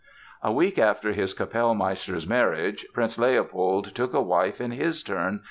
A week after his Kapellmeister's marriage, Prince Leopold took a wife in his turn.